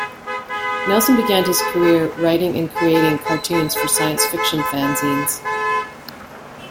Nelson began his career writing and creating cartoons for science fiction fanzines.